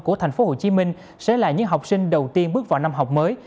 của tp hcm sẽ là những học sinh đầu tiên bước vào năm học mới